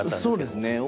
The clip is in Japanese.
そうですね。